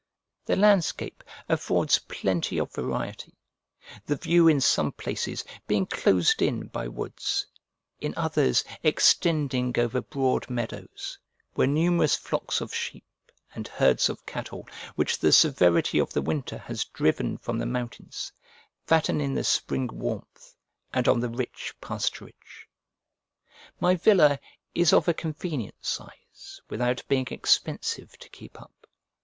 The landscape affords plenty of variety, the view in some places being closed in by woods, in others extending over broad meadows, where numerous flocks of sheep and herds of cattle, which the severity of the winter has driven from the mountains, fatten in the spring warmth, and on the rich pasturage. My villa is of a convenient size without being expensive to keep up.